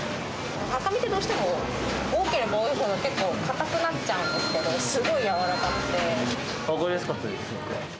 赤身ってどうしても、多ければ多いほど、結構硬くなっちゃうんですけど、分かりやすかったです。